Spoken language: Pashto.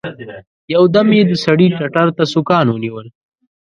يو دم يې د سړي ټتر ته سوکان ونيول.